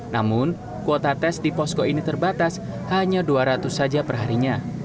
namun kuota tes di posko ini terbatas hanya dua ratus saja perharinya